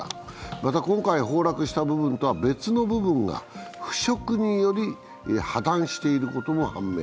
また今回、崩落した部分とは別の部分が腐食により破談していることも判明。